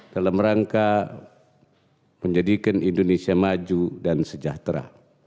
dalam rangka menjadikan indonesia maju dan sejahtera